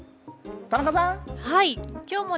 田中さん。